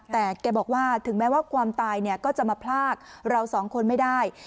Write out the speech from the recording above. แต่แกบอกว่าถึงแม้ว่าความตายเนี่ยก็จะมาพลากเราสองคนไม่ได้